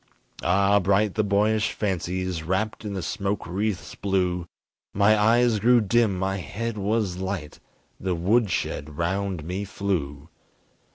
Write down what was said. Ah, bright the boyish fancies Wrapped in the smoke wreaths blue; My eyes grew dim, my head was light, The woodshed round me flew!